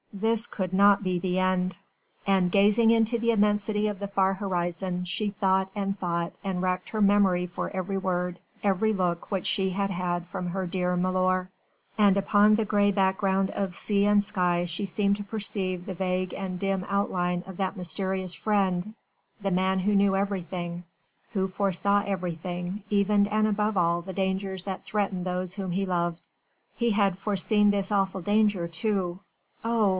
This could not be the end! And gazing into the immensity of the far horizon she thought and thought and racked her memory for every word, every look which she had had from her dear milor. And upon the grey background of sea and sky she seemed to perceive the vague and dim outline of that mysterious friend the man who knew everything who foresaw everything, even and above all the dangers that threatened those whom he loved. He had foreseen this awful danger too! Oh!